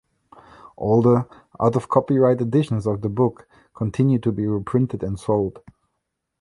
Older, out-of-copyright editions of the book continue to be reprinted and sold.